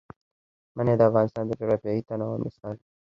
منی د افغانستان د جغرافیوي تنوع مثال دی.